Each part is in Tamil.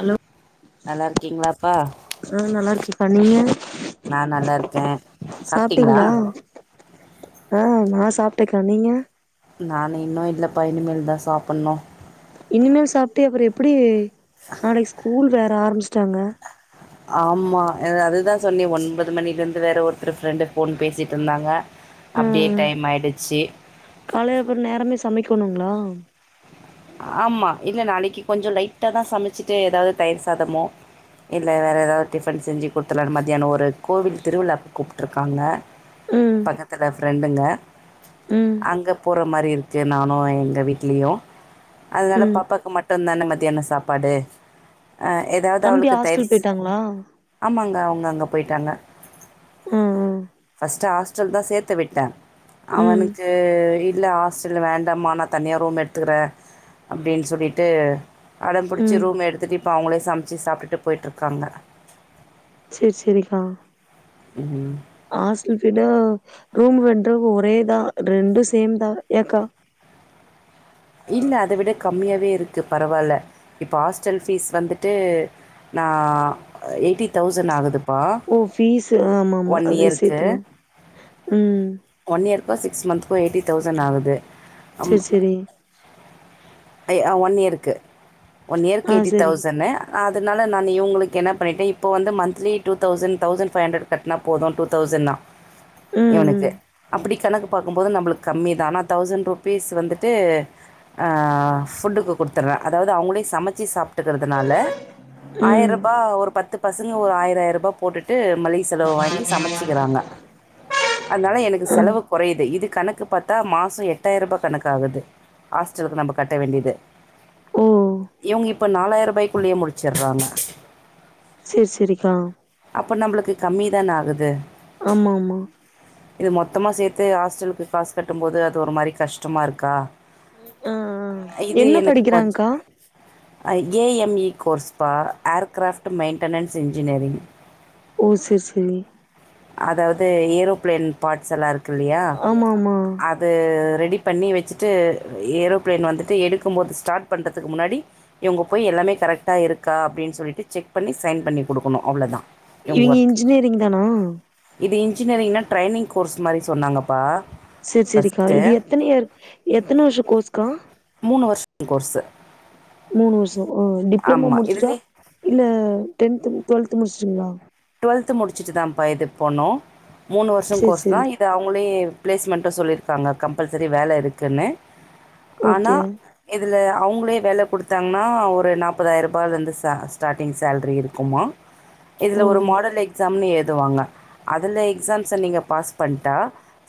அலோ நல்லா இருக்கீங்ளாப்பா ஆ நல்லா இருக்குப்பா நீங்க நா நல்லா இருக்க சாப்ட்டீங்ளா ஆ நா சாப்ட்டக்கா நீங்க நானு இன்னு இல்லப்பா இனிமேல் தா சாப்பட்ணு இனிமேல் சாப்ட்டு அப்ற எப்பிடி நாளைக்கு ஸ்கூல் வேற ஆரம்பிச்சிட்டாங்க ஆமா அ அதுதா சொன்னே ஒன்பது மணில இருந்து வேற ஒருத்தர் ஃப்ரெண்டு ஃபோன் பேசிட்ருந்தாங்க அப்டே டைம் ஆயிடுச்சு கால அப்றோ நேரமே சமைக்கணுங்ளா ஆமா இல்ல நாளைக்கு கொஞ்சோ லைட்டா தா சமைச்சிட்டு ஏதாவது தயிர் சாதமோ இல்ல வேற ஏதாவது டிஃபன் செஞ்சு குடுத்துற்லான் மத்தியானோ ஒரு கோவில் திருவிழாவுக் கூப்பிட்ருக்காங்க ம் பக்கத்துல ஃப்ரெண்டுங்க ம் அங்க போற மாரி இருக்கு நானு எங்க வீட்லயு அதனால ம் பாப்பாக்கு மட்டுந்தான மத்தியான சாப்பாடு அ ஏதாவது தம்பி அவளுக்கு ஹாஸ்டல் தயிர்சு போயிட்டாங்களா ஆமாங்க அவுங்க அங்க போயிட்டாங்க ம் ஃபஸ்ட்டு ஹாஸ் ட்டல்தா சேத்து விட்ட ம் ம் அவனுக்கு உ இல்ல ஹாஸ்டல் வேண்டாம்மா நா தனியா ரூம் எடுத்துக்கிற அப்டின்னு சொல்லிட்டு அடம் புடிச்சி ம் ரூம் எடுத்துட்டு இப்போ அவுங்களே சமைச்சு சாப்ட்டுட்டு போய்ட்ருக்காங்க சேரி சேரிக்கா ஹாஸ்டல் விட ரூம் ரெண்ட்டு ஒரே தா ரெண்டு சேம் தா ஏக்கா இல்ல அத விட கம்மியாவே இருக்கு பரவாயில்ல இப்போ ஹாஸ்ட்டல் ஃபீஸ் வந்துட்டு நா எயிட்டி தௌசண் ஆகுது ஓ ஃபீசு ஆமா ஆமா அதையு இயருக்கு சேத்தன ம் ஒன் இயர்க்கோ சிக்ஸ் மந்த்க்கோ எயிட்டி தௌசண்ட் ஆகுது சேரி சேரி ஐ அ ஒன் இயர்க்கு ஒன் இயருக்கு ஆ எயிட்டி சேரி தௌசண்ணு அதனால நான் இவுங்களுக்கு என்ன பண்ணிட்டே இப்போ வந்து monthly two thousand thousand five hundred cut னா போது டூ தௌசன்னா ம் இவனுக்கு அப்டி கணக்கு பாக்கும்போது நம்பளுக்கு கம்மி தா ஆனா தௌசண் டு பீஸ் வந்துட்டு அ ஃபுட்டுக்கு குடுத்துற அதாவது அவுங்களே சம ச்சி சாப்ட்டுக்கறதுனால ம் ஆயிர ம் ரூபா ஒரு பத்து பசங்க ஒரு ஆயிராயிர ரூபா போட்டுட்டு மளிக செலவு வாங்கி சமச்சுக்கிறாங்க அதுனால எனக்கு அ செலவு குறையுது இது கணக்கு பாத்தா மாசொ எட்டாயிர ரூபாய் கணக்காகுது ஹாஸ்டலுக்கு நம்ம கட்ட வேண்டியது ஓ இவுங்க இப்ப நாலாயிர ரூபாய்க்குள்ளயே முடுச்சற்றாங்க சேர் சேரிக்கா அப்ப நம்மளுக்கு கம்மி தான ஆகுது ஆமாமா இது மொத்தமா சேத்து ஹாஸ்டலுக்கு காசு கட்டும் போது அது ஒரு மாரி கஷ்டமா இருக்கா அ அ என்ன படிக்கிறாங்க்கா ஐ ஏ எம் இ கோர்ஸ்ப்பா ஆர்க்கிராஃப்ட்டு மெயின்டனன்ஸ் இன்ஜினரிங் ஓ செர் செரி அதாவது ஏரோபிளேன் பாட்ஸ்லா இருக்கில்லயா அ ஆமா ஆமா அது ரெடி பண்ணி வச்சுட்டு ஏரோப்ளேன் வந்துட்டு எடுக்கும்போது ஸ்டார்ட் பண்றதுக்கு முன்னாடி இவுங்க போய் எல்லாமே கரெக்டா இருக்கா அப்டின் சொல்லிட்டு செக் பண்ணி சைன் பண்ணி குடுக்கணு அவ்ளதா இவுங்க இன்ஜினியரிங் தானா இது இன்ஜினியரிங்னா ட்ரைனிங் கோர்ஸ் மாரி சொன்னாங்கப்பா செர் செரிக்கா ஃபஸ்ட்டு இது எத்தன இயர் எத்தன வர்ஷ கோர்ஸ்க்கா மூணு வருஷம் கோர்ஸு மூணு வர்ஷோ அ டிப்ளமோ ஆமாம் முடுச்சுட்டா இதுலேயே இல்ல டென்து டுவல்து முடுஸ்டுங்களா டுவல்த்து முடுச்சுட்டு தான்ப்பா இதுக் போனு மூணு வர்ஷோ சேரி கோர்ஸ் தா சேரி இது அவுங்களே பிளேஸ்மண்டு சொல்லிருக்காங்க கம்பல்சரி வேல இருக்குன்னு ஆனா ஓகே இதுல அவுங்களே வேல குடுத்தாங்கன்னா ஒரு நாப்பதாயிர ரூபாலருந்து ச ஸ்டார்ட்டிங் சேல்ரி இருக்குமா இதுல ஒரு ம் மாடல் எக்ஸாம்னு ஏதுவாங்க அதுல எக்ஸாம்ஸ நீங்க பாஸ் பண்ட்டா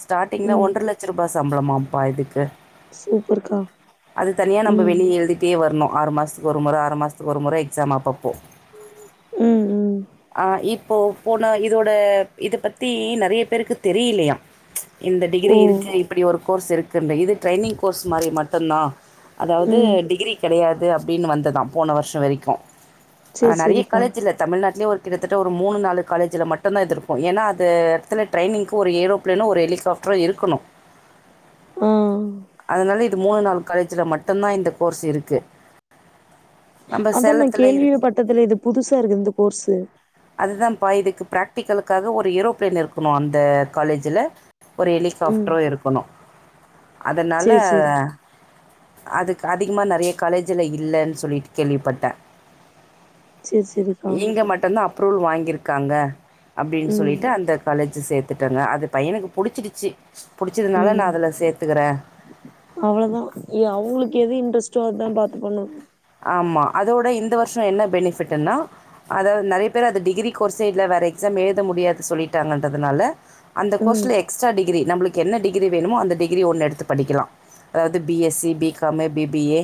ஸ்டாடிங்ல ம் ஒன்ற லட்ச ரூபா சம்பளமாப்பா இதுக்கு சூப்பர்க்கா அது தனியா நம்ம ம் வெளிய எழுதி டே வரணு ஆறு மாசத்துக்கு ஒரு மொற ஆறு மாசத்துக்கு ஒரு மொற எக்ஸாம் அப்பப்போ ம் ம் ஆ இப்போ போன இதோட இத பத்தி நெறைய பேருக்கு தெரிலயா இந்த ஓ டிகிரி இருக்கு இப்பிடி ஒரு கோர்ஸ் இருக்குன்னு இது ட்ரைனிங் கோர்ஸ் மாரி மட்டுந்தா அதாவது ம் டிகிரி கெடையாது அப்டின் வந்ததா போன வர்ஷோ வரைக்கு ஆ சேரி நிறைய சேரிக்கா காலேஜ் இல்ல தமிழ்நாடு லயு ஒரு கிட்டத்தட்ட ஒரு மூணு நாலு காலேஜுல மட்டுந்தா இது இருக்கு ஏனா அது எடத்துல ட்ரைனிங்கு ஒரு ஏரோபிளேனு ஒரு எலிகாஃப் ட்ரு இருக்கணு ஆ அதுனால இ இது மூணு நாலூ காலேஜ்ல மட்டுந்தா இந்த கோர்ஸ் இருக்கு நம்ம அதா நா சேலத்துல கேள்வியே இருக்கு பட்டதுல இது புதுசா இருக்கு இந்த கோர்ஸு அதுதான் பா இதுக்கு ப்ராக்டிக்கலுக்காக ஒரு ஏரோப்ளேன் இருக்குமா அந்த காலேஜுல ஒரு ம் எலிகாஃப்டரு இருக்கணு அதுனால சேரி சேரி அதுக் அதிகமா நெறைய காலேஜுல இல்லன் சொல்லிட்டு கேள்விப்பட்டே செர் செரி இங்க மட்டுந்தா அப்ரூவல் வாங்கிருக்காங்க அப்டின் ம் சொல்லிட்டு அந்த காலேஜு சேத்துட்டேங்க அது பையனுக்கு புடுச்சுகிச்சு பிடுச்சதுனால நா அதுல சேத்துக்கிறே அவ்வளதா எ அவுங்களுக்கு எது இன்ட்ரஸ்ட்டோ அதா பாத்துகனு ஆமா அதோட இந்த வர்ஷோ என்ன பெனிஃபிட்டுன்னா அதாவது நெறைய பேர் அது டிகிரி கோர்ஸ்ஸே வேற எக்ஸாம் எழுத முடியாது சொல்லிட்டாங்கன்றதுனால அந்த ம் கோர்ஸ்ல எக்ஸ்ட்ரா டிகிரி நம்மளுக்கு என்ன டிகிரி வேணுமோ அந்த டிகிரி ஒன்னு எடுத்து படிக்கலா அதாவ்து B S C B com B B A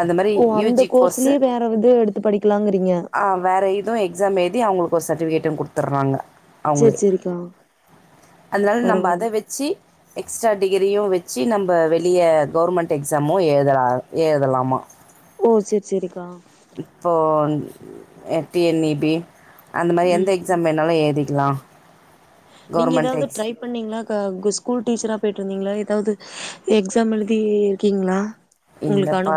அந்த மாதி ஓ யூ அந்த ஜி கோர்ஸு கோர்ஸ்லயே வேற இது எடுத்து படிக்கலாங்கிறீங்க ஆ வேற இதுவு எக் எக்ஸாம் எழுதி அவ்ங்களுக்கு ஒரு சர்டிஃபிகேட்டு குட்த்துர்றாங்க சேரி அவ்ங்களே சேரிக்கா அதனால நம்ப பரவால்ல அத வெச்சு எக்ஸ்ட்ரா டிகிரியு வெச்சு நம்ப வெளிய கவர்மெண்ட் எக்ஸாமு எழுதலா எழுதலாமா ஓ சேரி சேரிக்கா இப்போ அ டி என் இ பி அந்த மாரி எந்த ம் எக் எக்சாம் வேனாலு எழ்திக்கலா நீங்க எதாவ்து ட்ரைப் பண்ணீங்ளா க கு ஸ்கூல் டீச்சரா போயிட்ருந்தீங்களா எதாவ்து எக்ஸாம் எழுதீருக்கீங்ளா இல்லப்பா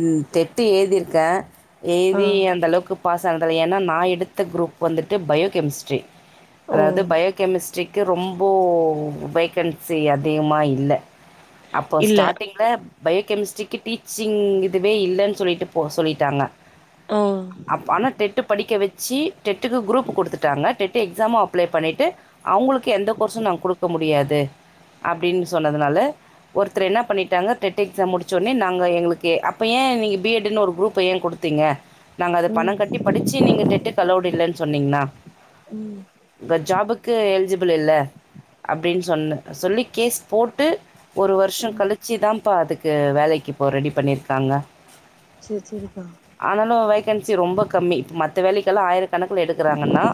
ம் டெட்டு எழுதிருக்கே ஆ எழுதி அந்த அளவுக்கு பாஸ் ஆனதில்ல ஏனா நா எடுத்த குரூப் வந்துட்டு பயோ கெமிஸ்ட்ரி ஓ அதாவ்து பயோ கெமிஸ் ட்ரிக்கு ரொம்போ வேகன்சி அதிகமா இல்ல அப்ப இல்ல ஸ்டார்ட் டிங்ல பயோ கெமிஸ்ட்ரிக்கு டீச்சிங் இதுவே இல்லன் சொல்லிட்டு போ சொல்லிட்டாங்க ஆ அப்ப ஆனா டெட்டு படிக்க வெச்சு டெட்டுக்கு குரூப்பு குடுத்துட்டாங்க டெட்டு எக்ஸாமு அப்ளே பண்ணிட்டு அவுங்களுக்கு எந்த கோர்ஸு நா குடுக்க முடியாது அப்டின்னு சொன்னதுனால ஒருத்தர் என்ன பண்ணிட் டாங்க டெட் எக்ஸாம் முடிச்சோனே நாங்க எங்களுக்கு அப்ப ஏ நீங்க பி எட் னு ஒரு குரூப்ப ஏ குடுத்தீங்க நாங்க அத பண ம் கட்டி படிச்சு நீங்க டெட்டுக்கு ஆலோடு இல்லன் சொன்னிங்னா ம் உங்க ஜாபுக்கு எலிஜிபிள் இல்ல அப்டின் சொன்ன சொல்லி கேஸ் போட்டு ஒரு வர்ஷ ம் கழிச்சு தாம்ப்பா அதுக்கு வேலைக்கு இப்போ ரெடி பண்ணிருக்காங்க சேர் சேரிக்கா ஆனாலு வேகன்சி ரொம்ப கம்மி இப்ப மத்த வேலைக்கெல்லா ஆயிரக்கணக்குல எடுக்குறாங்கன்னா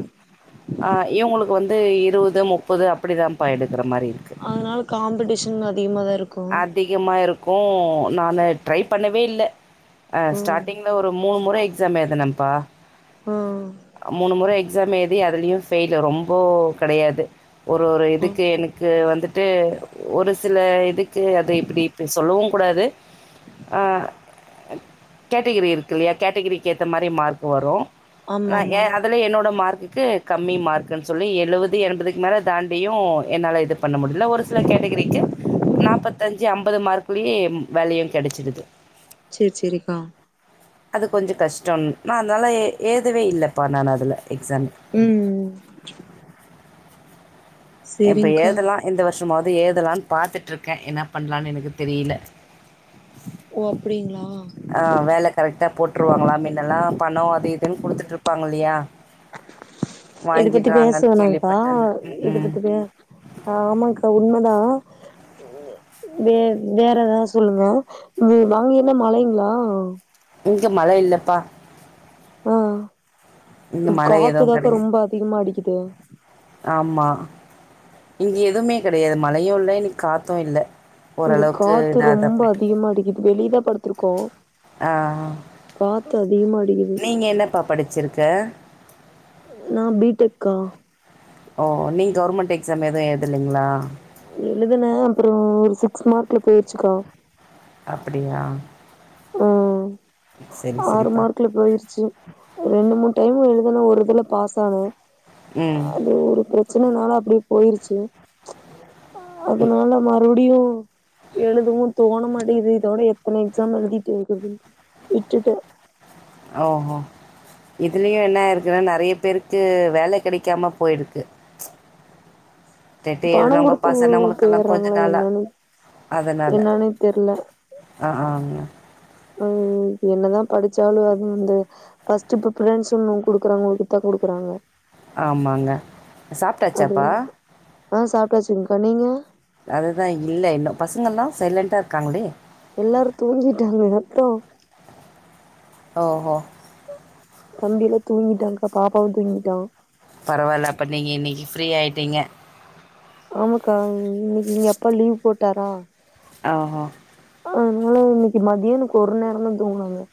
ஆ இவ்ங்களுக்கு வந்து இருவது முப்பது அப்டிதாம்பா எடுக்கிற மாரி இருக்கு அதனால காம்படிஷன் அதிகமா தா இருக் அதிகமா இருக்கு நானு ட்ரை பண்ணவே இல்ல அ ம் ஸ்டார்டிங்ல ஒரு மூணு முற எக்ஸாம் எழுதுனம்ப்பா ஆ மூணு முறை எக்ஸாம் ஏழுதி அதுலேயு ஃபெயிலு ரொம்போ கெடையாது ஒரு ஒரு ஆ இதுக்கு எனக் க்கு வந்துட்டு ஒரு சில இதுக்கு அத இப்டி இப்ப சொல்லவு கூடாது ஆ கேட்டகிரி இருக்கு இல்லையா கேட்டகிரிக்கு ஏத்த மாரி மார்க்கு வரு ஆமா நா ஆமா எ ஹஸ் இதுல என்னோட மார்க்குக்கு கம்மி மார்க்குன் சொல்லி எழுவது எண்பதுக்கு மேல தாண்டியு என்னால இது பண்ண முடில ஒரு சில கேட்டகிரிக்கு நாப்பத்தஞ்சு அம்பது மார்க்குலயே வேலயு கெடச்சிடுது சேர் சேரிக்கா அது கொஞ்ச கஷ்டம் நா அதனால ஏ ஏழ்தவே இல்லப்பா நானு அதுல எக்ஸாம் ம் இப்ப சேரிங்க்கா எழுதலா இந்த வர்ஷமாவ்து ஏழுதலான் பாத்துட்ருக்கே என்ன பண்லானு எனக்கு தெரியில ஓ அப்டிங்ளா அ வேல கரெக்டா போட்டுருவாங்களா மீன்னெல்லா பண அது இதுன் குடுத்துட்ருப்பாங்க இல்லையா இத பத்தி பேச வாங்கிடுறாங்கன்னு வேணாங்க்கா கேள்விப்பட்டாங்க ம் இத ம் பத்தி பே ஆ ஆமாங்க்கா உண்மதா வே வேற எதா சொல்லுங்க இங்கே அங்க என்ன மழைங்ளா இங்க மழை இல்லப்பா ஆ இங்க மழை எதுவும் காத்துதாக்கா கிடையாது ரொம்ப அதிகமா அடிக்குது ஆமா இங்க எதுமே கெடையாது மழையு இல்ல இன்னைக்கு காத்து இல்ல இங்க ஓரளவுக்கு காத்து இதாது ரொம்ப அப்படி அதிகமா அடிக்குது வெளியதா படுத்திருக்கோ ஆ காத்து அதிகமாடிக்குது ப்பா படிச்சிருக்க நா பி டெக்கா ஓ நீ கவர்மெண்ட் எக்ஸாம் எது எழுதலீங்களா எழுதுனே அப்புறோ ம ஒரு சிக்ஸ் மார்க்ல போயிருச்சுக்கா அப்டியா ஆ ஆறு சரிப்பா மார்க்கல போயிருச்சு ரெண்டு மூணு டைம் எழுதனா ஒரு இதுல பாஸ் ஆன ம் அது ஒரு பிர சின்ன நாள அப்டியே போயிருச்சு அதனால மறுபடியு எழுதுவும் தோண மாட்டேகுது இதோட எத்தன எக்ஸாம் எழுதிட்டு இருக்குது விட்டுட்டன் அ ஹோ இதுலயும் என்ன இருக்குன்னா நறைய பேருக்கு வேல கெடைக்காம போயிருக்கு தெட்டி பணோ எடுரவொங்க குடுத்து பசங்க உங்களுக்கெல்லாம் கொஞ்ச போயறாங்களா நாளா என்னன்னு அதனால என்னன்னே தெர்ல ஆஹ ஆ ம் ம் என்னதா படிச்சாலும் அது வந்து ஃபர்ஸ்ட் பிரிபரன்ஸ் இன்னு குடுக்குறவங்களுக்கு தா குடுக்குறாங்க ஆமாங்க அது சாப்ட்டாச்சாப்பா ஆ சாப்பிட்டாச்சுங்க்கா நீங்க அதுதா இல்ல இன்னு பசங்கல்லா சைலண்ட்டா இருக்காங்களே எல்லாரு தூங்கிட்டாங்க மொத்தோ ஓஹோ தம்பிலா தூங்கிட்டாங்க்கா பாப்பாவும் தூங்கிட்டான் பரவால்ல அப்ப நீங்க இன்னைக்கி ஃப்ரீயா ஆயிட்டீங்க ஆமாக்கா இன்னைக்கு ஏன் அப்பா லீவ் போட்டாரா ஆ ஆ அதனால இன்னைக்கு மதியானுக்கு ஒரு நேரோ தா தூங்குனோ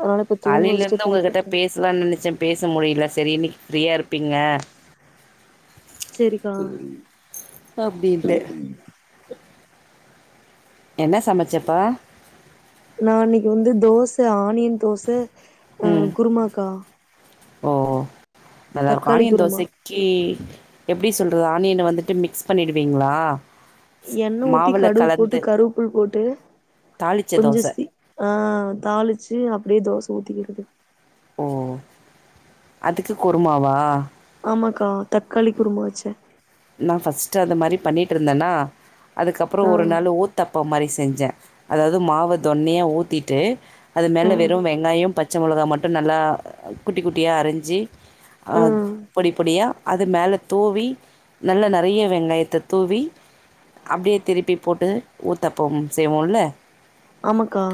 அதனால இப்ப தூங்க வச்சட்டு தூங்கிட்டே இப்ப தா நெனச்சே பேச முடில செரி இன்னைக்கி ஃப்ரீயா இருப்பீங்க சேரிக்கா அப்டின்ட்டு என்ன சமைச்சப்பா நா இன்னைக்கு வந்து தோச ஆனியன் தோச ஆ ம் குருமாக்கா ஓ நல்லாருகும் தக்காளி ஆனியன் குருமா தோசைக் கே எப்டி சொல்றது ஆனியன வந்துட்டு மிக்ஸ் பண்ணிடுவீங்ளா எண்ணெ ஊத்தி கடுகு போட்டு கருவப்புள் போட்டு தாளிச்ச கொஞ்சோ தோசை சீ ஆ தாளிச்சு அப்டியே தோச ஊத்திகிறது ஓ அதுக்கு குருமாவா ஆமாக்கா தக்காளி குறும்மா வச்சேன் நா ஃபஸ்ட்டு அது மாரி பண்ணிட்டு இருந்தேன்னா அதுக்கப்புறோ ஆ ஒரு நாள் ஊத் ஊத்தாப்போ மாரி செஞ்சே அதாவ்து மாவ தொன்னயா ஊத்திட்டு அது ஆ மேல வெறும் வெங் ங்காயம் பச்ச மொளகா மட்டு நல்லா குட்டி குட்டியா அரிஞ்சி ஆ ஆஹ் பொடி பொடியா அது மேல தூவி நல்லா நெறைய வெங்காயத்த தூவி அப்டியே திருப்பி போட்டு ஊத்தாப்பம் செய்வோல ஆமாக்கா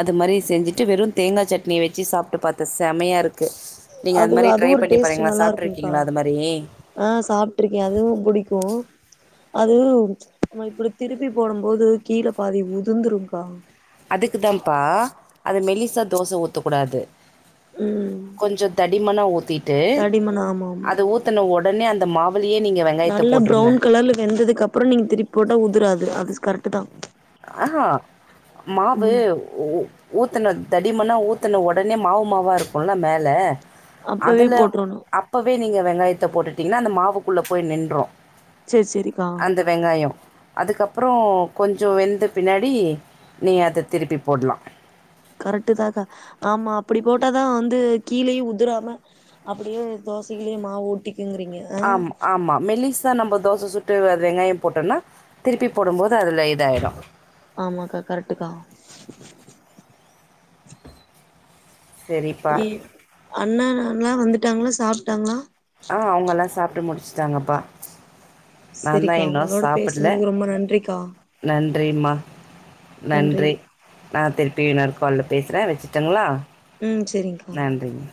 அது மாரி செஞ்சிட்டு வெறும தேங்கா சட்னிய வெச்சு சாப்ட்டு பாத்த செமையா இருக்கு நீங்க அது மாரி ட்ரை ஒரு பண்ணி டேஸ்ட் பாக்றிங்களா நல்லா இருக்குங்க்கா சாப்ட்டுருக்கீங்ளா அது மாரி ஆ சாப்ட்டுருக்கே அதுவு புடிக்கு அது நம்ம இப்டி திருப்பி போடும் போது கீழ பாதி உதுந்துரும் கா அதுக்கு தான்ப்பா அது மெலிசா தோச ஊத்தக் கூடாது ம் கொஞ்சொ தடிமனா ஊத்திட்டு தடிமன் ஆமா ஆமா அத ஊத் த்துன ஒடனே அந்த மாவுலயே நீங்க வெங் நல்லா ப்ரௌன் கலர்ல வெந்ததுக்கு அப்புறோ நீங்க திருப்பிபோட்டா உதுராது அது கரெக்ட்டுதா ஆஹா மாவு ஊ ஊத்துன தடிமனா ஊத்துன ஒடனே மாவு மாவா இருக்குல்ல மேல அப்பவே அதுல போட்றணு அப்பவே நீங்க வெங்காயத்த போட்டுட்டீங்னா அந்த மாவுக்குள்ள போய் நின்று சேரி சேரிக்கா அந்த வெங்காயோ அதுக்கப்புறோ கொஞ் ஞ்ஜோ வெந்த பின்னாடி நீ அத திருப்பி போடலா கரெக்டு தாக்கா ஆமா அப்டி போட்டாதா வந்து கீழயு உதிராம அப்டியு தோசைகளியு மாவு ஊத்திக்குங்கிறீங்க ஆம் ஆமா மெலிஸ் நம்ம தோச சுட்டு அது வெங்காயம் போட்டோம்னா திருப்பி போடும் போது அதுல இதாயிடு ஆமாக்கா கரெக்டுதா சரிப்பா வீ அண்ணான்லா வந்துட்டாங்களா சாப்டாங்களா ஆ அவங்கலா சாப்ட்டு முடிச்சுட்டாங்கப்பா நா தா செரிக்கா உங்களோட பேசனதுக்கு ரொம்ப நன்றிக்கா நன்றிமா நன்றி நா திருப்பியு இன்னொரு கால்ல பேசுறே வச்சுட்டுங்களா ம் செரிங்கா நன்றிங்க